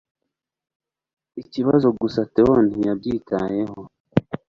Ikibazo gusa Theo ntiyabyitayeho.